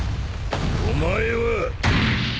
お前は。